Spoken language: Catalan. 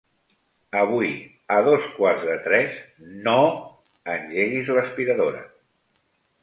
Avui a dos quarts de tres no engeguis l'aspiradora.